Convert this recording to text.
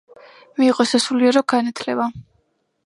მიიღო სასულიერო განათლება.